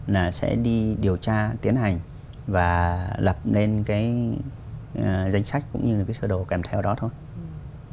là sẽ đi điều tra tiến hành và lập lên cái danh sách cũng như là cái sơ đồ kèm theo đó thôi